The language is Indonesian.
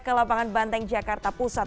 ke lapangan banteng jakarta pusat